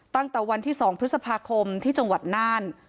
ตั้งแต่วันที่๒พฤษภาคมที่จังหวัดน่าน